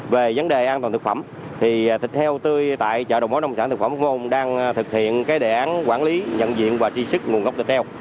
về vấn đề an toàn thực phẩm thịt heo tươi tại chợ đầu mối nông sản thực phẩm khôn đang thực hiện đề án quản lý nhận diện và tri sức nguồn gốc thịt heo